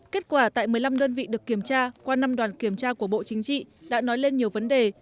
kết quả tại một mươi năm đơn vị được kiểm tra qua năm đoàn kiểm tra của bộ chính trị đã nói lên nhiều vấn đề